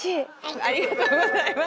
ありがとうございます。